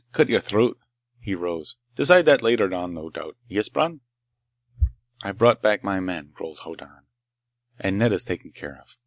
Cut your throat." He rose. "Decide that later, no doubt. Yes, Bron?" "I've brought back my men," growled Hoddan, "and Nedda's taken care of.